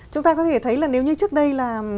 chúng ta có thể thấy là nếu như trước đây là